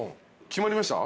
決まりました？